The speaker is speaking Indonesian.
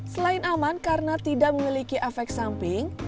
selain aman karena tidak memiliki efek samping